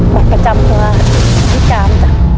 บัตรประจำตัวคนพิการ